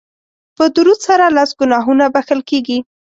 په درود سره لس ګناهونه بښل کیږي